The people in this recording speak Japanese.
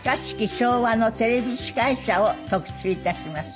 昭和のテレビ司会者を特集致します。